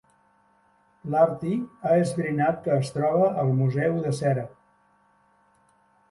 L'Artie ha esbrinat que es troba al Museu de Cera.